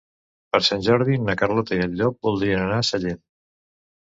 Per Sant Jordi na Carlota i en Llop voldrien anar a Sallent.